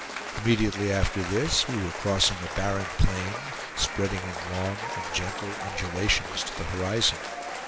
Immediately after this we were crossing a barren plain, spreading in long and gentle undulations to the horizon.